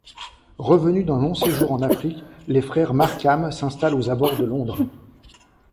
Revenus d'un long séjour en Afrique, les frères Markham s'installent aux abords de Londres.